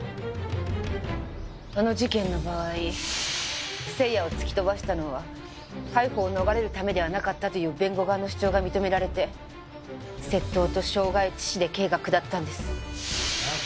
あの事件の場合星也を突き飛ばしたのは逮捕を逃れるためではなかったという弁護側の主張が認められて窃盗と傷害致死で刑が下ったんです。